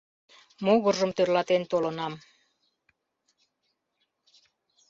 Могыржым тӧрлатен толынам.